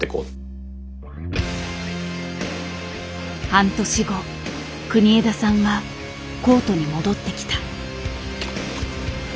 半年後国枝さんはコートに戻ってきた。